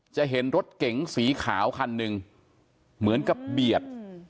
จะเห็นรถเก๋งสีขาวคันหนึ่งเหมือนกับเบียด